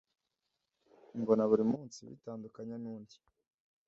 mbona buri munsi bitandukanye nundi